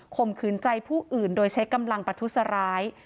ข่มขืนใจผู้อื่นโดยใช้กำลังประทุษร้าย